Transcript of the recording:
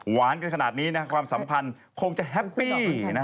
กันขนาดนี้นะความสัมพันธ์คงจะแฮปปี้